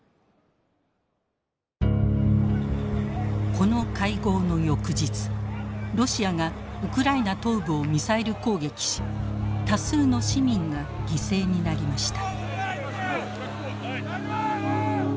この会合の翌日ロシアがウクライナ東部をミサイル攻撃し多数の市民が犠牲になりました。